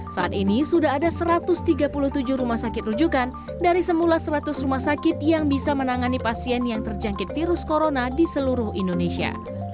saat ini sudah ada satu ratus tiga puluh tujuh rumah sakit rujukan dari semula seratus rumah sakit yang bisa menangani pasien yang terjangkit virus corona di seluruh indonesia